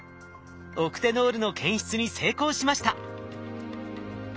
オクテノールの検出に成功しました！